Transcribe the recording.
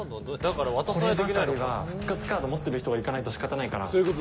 こればかりは復活カードを持っている人が行かないと仕方ないから。